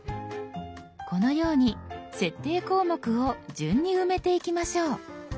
このように設定項目を順に埋めていきましょう。